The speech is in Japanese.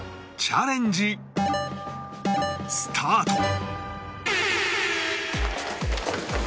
チャレンジスタート！